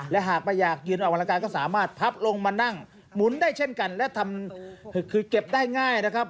และหากไม่อยากยืนออกกำลังกายก็สามารถพับลงมานั่งหมุนได้เช่นกันและทำคือเก็บได้ง่ายนะครับ